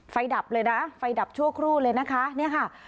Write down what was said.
ดับเลยนะไฟดับชั่วครู่เลยนะคะเนี่ยค่ะ